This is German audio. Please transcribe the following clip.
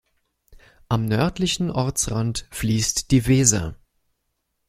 Am nördlichen Ortsrand fließt die Weser.